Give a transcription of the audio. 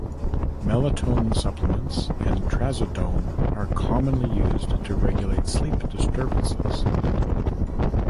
Melatonin supplements and trazodone are commonly used to regulate sleep disturbances.